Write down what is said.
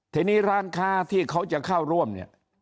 ทีนี้ร้านค้าที่เขาจะเข้าร่วมเนี่ย